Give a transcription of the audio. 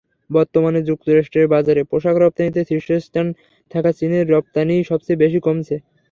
বর্তমানে যুক্তরাষ্ট্রের বাজারে পোশাক রপ্তানিতে শীর্ষস্থানে থাকা চীনের রপ্তানিই সবচেয়ে বেশি কমেছে।